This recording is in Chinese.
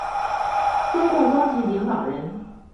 中共高级领导人。